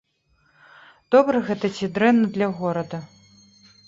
Добра гэта ці дрэнна для горада?